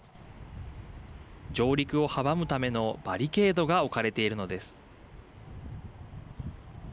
上陸を阻むためのバリケードが置かれているのです。